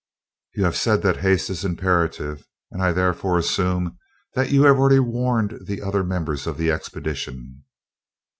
You have said that haste is imperative, and I therefore assume that you have already warned the other members of the expedition."